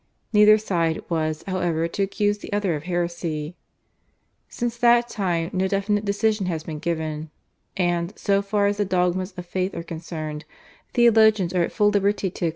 Neither side was, however, to accuse the other of heresy. Since that time no definite decision has been given, and, so far as the dogmas of faith are concerned, theologians are at full liberty to accept Thomism or Molinism.